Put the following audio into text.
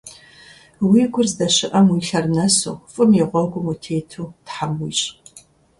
Уи гур здэщыӏэм уи лъэр нэсу, фӏым и гъуэгум утету Тхьэм уищӏ!